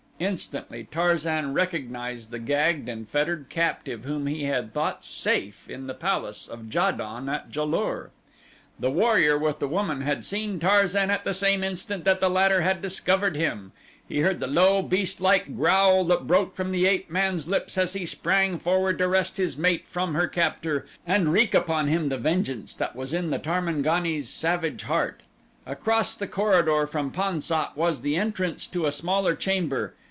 Instantly Tarzan recognized the gagged and fettered captive whom he had thought safe in the palace of Ja don at Ja lur. The warrior with the woman had seen Tarzan at the same instant that the latter had discovered him. He heard the low beastlike growl that broke from the ape man's lips as he sprang forward to wrest his mate from her captor and wreak upon him the vengeance that was in the Tarmangani's savage heart. Across the corridor from Pan sat was the entrance to a smaller chamber.